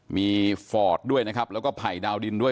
มีฟอร์ดด้วยนะครับแล้วก็ไผ่ดาวดินด้วย